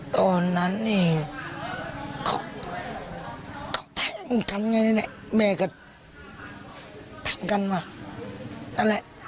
ตอนนั้นเนี่ยเขาแท้งกันไงแม่ก็ถามกันมา